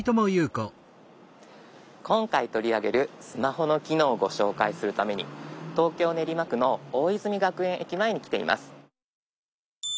今回取り上げるスマホの機能をご紹介するために東京・練馬区の大泉学園駅前に来ています。